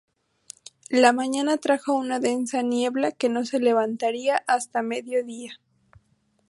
La mañana trajo una densa niebla que no se levantaría hasta mediodía.